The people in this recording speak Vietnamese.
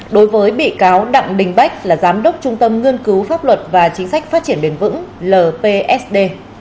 đối với bị cáo đặng đình bách là giám đốc trung tâm nghiên cứu pháp luật và chính sách phát triển bền vững lpsd